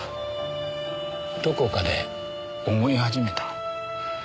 どこかで思い始めた。